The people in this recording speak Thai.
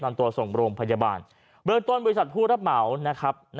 นำตัวส่งโรงพยาบาลเบื้องต้นบริษัทผู้รับเหมานะครับ